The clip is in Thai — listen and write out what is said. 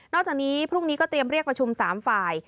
จากนี้พรุ่งนี้ก็เตรียมเรียกประชุม๓ฝ่าย